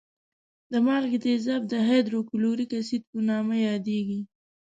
د مالګي تیزاب د هایدروکلوریک اسید په نامه یادېږي.